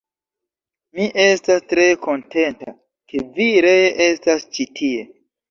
Mi estas tre kontenta, ke vi ree estas ĉi tie.